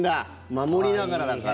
守りながらだから。